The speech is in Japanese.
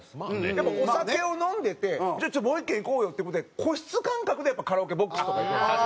やっぱお酒を飲んでて「ちょっともう１軒行こうよ」っていう事で個室感覚でカラオケボックスとか行くんですよ。